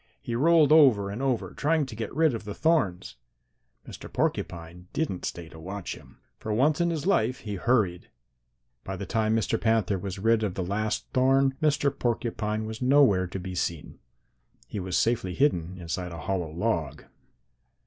He rolled over and over trying to get rid of the thorns. Mr. Porcupine didn't stay to watch him. For once in his life he hurried. By the time Mr. Panther was rid of the last thorn, Mr. Porcupine was nowhere to be seen. He was safely hidden inside a hollow log.